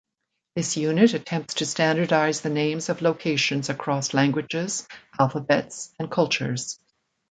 This unit attempts to standardize the names of locations across languages, alphabets, and cultures.